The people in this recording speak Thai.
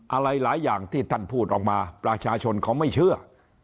อะไรหลายอย่างที่ท่านพูดออกมาประชาชนเขาไม่เชื่อ